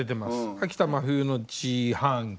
「秋田真冬の自販機」。